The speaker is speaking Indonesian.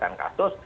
karena ada kasus